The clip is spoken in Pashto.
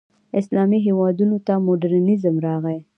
اسلامي هېوادونو ته مډرنیزم راغی.